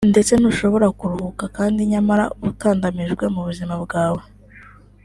ndetse ntushobora kuruhuka kandi nyamara ukandamijwe mu buzima bwawe